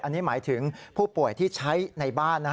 อันนี้หมายถึงผู้ป่วยที่ใช้ในบ้าน